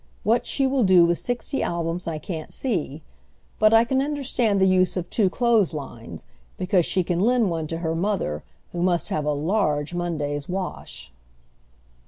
What she will do with sixty albums I can't see, but I can understand the use of two clothes lines, because she can lend one to her mother, who must have a large Monday's wash!"